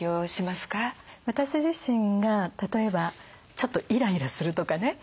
私自身が例えばちょっとイライラするとかね